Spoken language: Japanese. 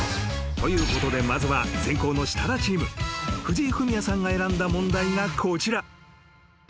［ということでまずは先攻の設楽チーム藤井フミヤさんが選んだ問題がこちら］